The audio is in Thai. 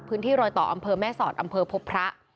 พื้นที่รอยต่ออำเภอแม่สอดอำเภอพบพระ